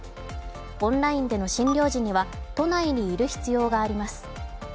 オンラインでの診療時には都内にいる必要があります。